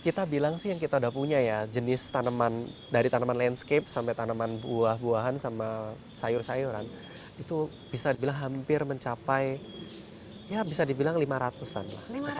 kita bilang sih yang kita udah punya ya jenis tanaman dari tanaman landscape sampai tanaman buah buahan sama sayur sayuran itu bisa dibilang hampir mencapai ya bisa dibilang lima ratus an lah